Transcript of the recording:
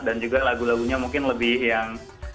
dan juga lagu lagunya mungkin lebih yang